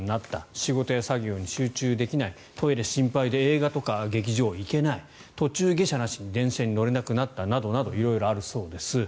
仕事や作業に集中できないトイレが心配で映画とか劇場に行けない途中下車なしに電車に乗れなくなったなど色々あるそうです。